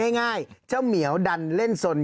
ง่ายเจ้าเหมียวดันเล่นสน